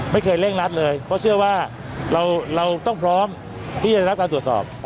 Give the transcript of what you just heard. เร่งรัดเลยเพราะเชื่อว่าเราต้องพร้อมที่จะรับการตรวจสอบ